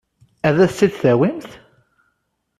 Ad as-tt-id-tawimt?